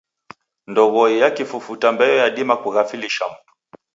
Ndoghoi ya kifufuta mbeo yadima kughaflisha mndu.